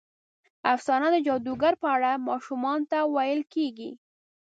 افسانه د جادوګرو په اړه ماشومانو ته ویل کېږي.